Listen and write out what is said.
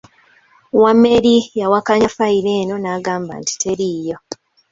Wameli yawakanya ffayiro eno n’agamba nti teriiyo.